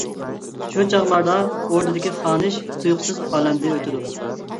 شۇ چاغلاردا ئوردىدىكى خانىش تۇيۇقسىز ئالەمدىن ئۆتىدۇ.